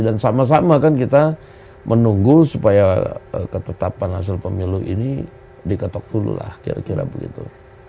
dan sama sama kan kita menunggu supaya ketetapan hasil pemilu ini diketuk dulu lah kira kira begitu